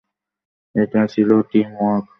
এটা ছিল team work.